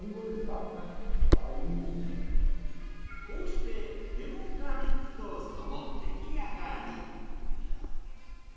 こうしてレモンガーリックトーストも出来上がり。